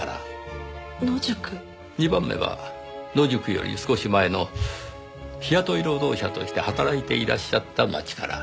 ２番目は野宿より少し前の日雇い労働者として働いていらっしゃった街から。